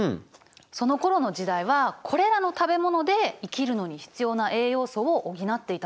そのころの時代はこれらの食べ物で生きるのに必要な栄養素を補っていたの。